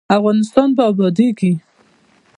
افغانستان به ابادیږي